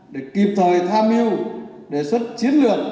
để kịp thời tham mưu đề xuất chiến lược